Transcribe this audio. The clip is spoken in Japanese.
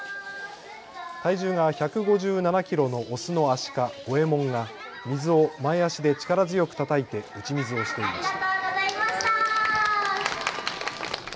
体重が１５７キロのオスのアシカ、ゴエモンが水を前足で力強くたたいて打ち水をしていました。